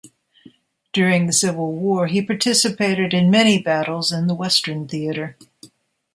During the Civil War, he participated in many battles in the Western Theater.